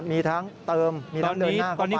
มีทั้งเติมมีทั้งเดินหน้ากลับไปใช่ไหม